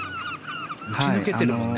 打ち抜けてるもんね。